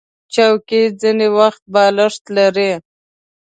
چوکۍ ځینې وخت بالښت لري.